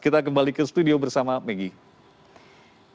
kita kembali ke studio bersama maggie